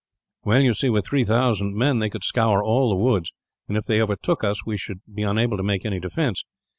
"Well, you see, with three thousand men they could scour all the woods and, if they overtook us, we should be unable to make any defence.